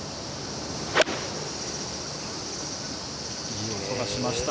いい音がしました。